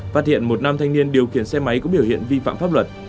phát hiện một nam thanh niên điều khiển xe máy có biểu hiện vi phạm pháp luật